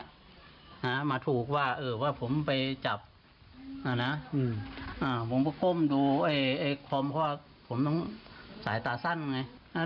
มาถูกว่าเออว่าผมไปจับอ่านะอืมอ่าผมก็ก้มดูไอ้ไอ้คอมเพราะว่าผมต้องสายตาสั้นไง